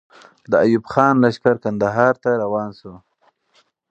د ایوب خان لښکر کندهار ته روان سو.